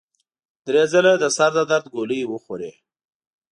درې ځله د سر د درد ګولۍ وخوړې.